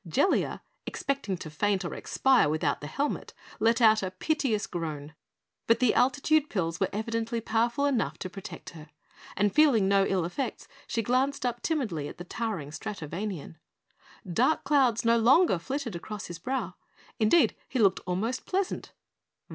Jellia, expecting to faint or expire without the helmet, let out a piteous groan. But the altitude pills were evidently powerful enough to protect her, and feeling no ill effects, she glanced up timidly at the towering Stratovanian. Dark clouds no longer flitted across his brow. Indeed, he looked almost pleasant.